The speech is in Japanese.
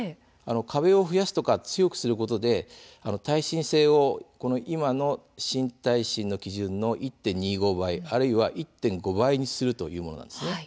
壁を増やすとか強くすることで耐震性を今の新耐震の基準の１．２５倍あるいは１．５倍にするというものです。